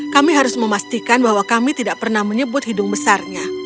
kami harus memastikan bahwa kami tidak pernah menyebut hidung besarnya